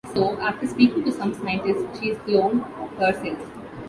So, after speaking to some scientists, she has cloned herself.